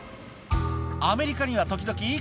アメリカには時々いい